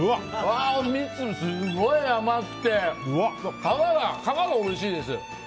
蜜がすごい甘くて皮がおいしいです！